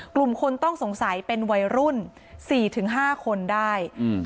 กลุ่มคนต้องสงสัยเป็นวัยรุ่นสี่ถึงห้าคนได้อืม